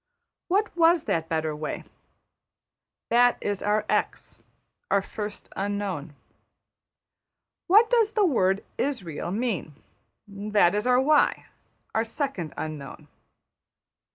What was that better way? That is our $x$, our first unknown. What does the word Israël mean? That is our $y$, our second unknown.